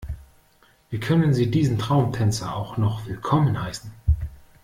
Wie können Sie diesen Traumtänzer auch noch willkommen heißen?